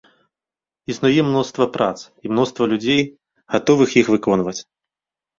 Існуе мноства прац і мноства людзей, гатовых іх выконваць.